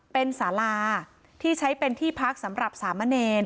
เป็นสาราที่ใช้เป็นที่พักสำหรับสามเณร